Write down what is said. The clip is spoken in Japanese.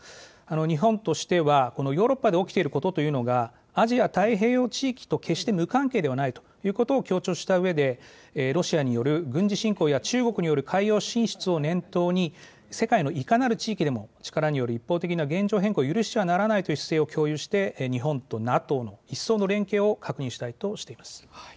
日本としてはヨーロッパで起きていることというのがアジア太平洋地域と決して無関係ではないということを強調した上で、ロシアによる軍事侵攻や中国による海洋進出を念頭に世界のいかなる地域でも力による一方的な現状変更を許してはならないという姿勢を共有して日本とＮＡＴＯの一層の連携を確認したいとしています。